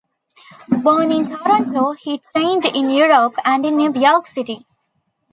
Born in Toronto, he trained in Europe and in New York City.